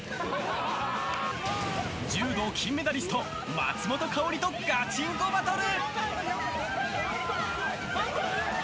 柔道金メダリスト松本薫とガチンコバトル。